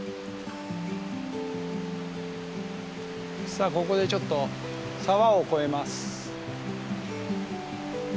さあここでちょっと沢を越えます。